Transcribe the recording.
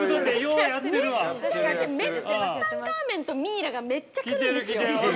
ツタンカーメンとミイラがめっちゃ来るんですよ。